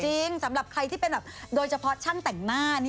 จริงสำหรับใครที่เป็นแบบโดยเฉพาะช่างแต่งหน้า